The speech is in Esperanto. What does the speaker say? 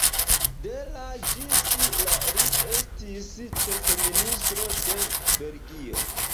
De la ĝis la li estis ĉefministro de Belgio.